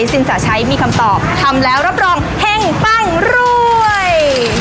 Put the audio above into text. สินแสชัยมีคำตอบทำแล้วรับรองเฮ่งปั้งรวย